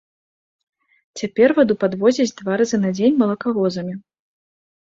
Цяпер ваду падвозяць два разы на дзень малакавозамі.